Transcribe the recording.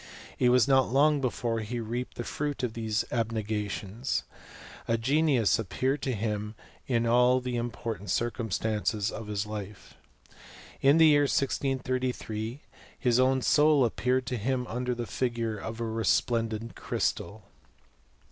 ■ It was not long before he reaped the fruit of these abnega tions. A genius appeared to him in all the important chrcumstances of his life. In the year 1 633 r his own soul appeared to him under the figure of a resplendent crystal.